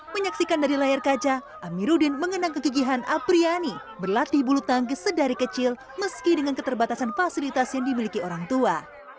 menyaksikan dari layar kaca amiruddin mengenang kegigihan apriyani berlatih bulu tangkis sedari kecil meski dengan keterbatasan fasilitas yang dimiliki orang tua